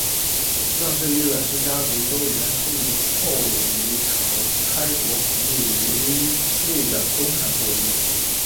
郑氏与阮氏家族都源出于后黎朝开国皇帝黎利的功臣后裔。